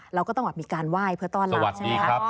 เราก็ต้องมีการไหว้เพื่อต้อนรับ